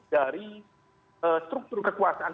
dari struktur kekuasaan